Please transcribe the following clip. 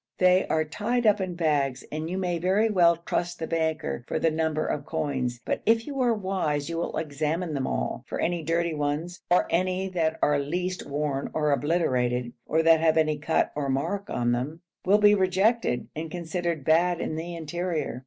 They are tied up in bags, and you may very well trust the banker for the number of coins; but if you are wise you will examine them all, for any dirty ones, or any that are the least worn or obliterated, or that have any cut or mark on them, will be rejected and considered bad in the interior.